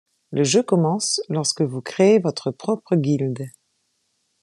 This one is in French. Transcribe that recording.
Le jeu commence lorsque vous créez votre propre guilde.